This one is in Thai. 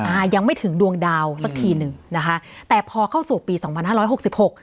อ่ายังไม่ถึงดวงดาวสักทีหนึ่งนะคะแต่พอเข้าสู่ปีสองพันห้าร้อยหกสิบหก